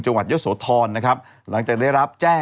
จังหวัดเยอะโสทรนะครับ